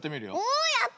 おおやった！